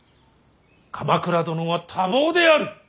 鎌倉殿は多忙である！